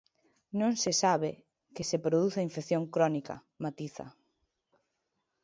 "Non se sabe que se produza infección crónica", matiza.